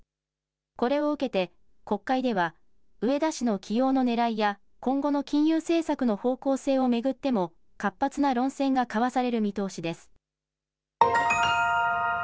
これを受けて、国会では、植田氏の起用のねらいや今後の金融政策の方向性を巡っても、活発な論戦が交わされる見通しです。